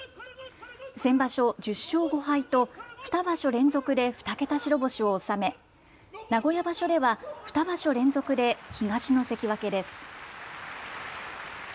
先場所１０勝５敗と２場所連続で２桁白星を収め、名古屋場所では２場所連続で東の関脇です。